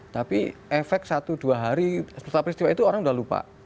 tapi efek satu dua hari setelah peristiwa itu orang sudah lupa